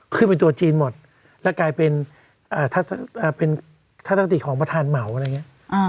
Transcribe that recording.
ตัวเป็นตัวจีนหมดแล้วกลายเป็นทัศนติของประธานเหมาอะไรอย่างนี้